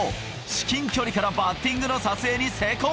至近距離からバッティングの撮影に成功。